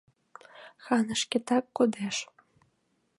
Хан шкетак кодеш.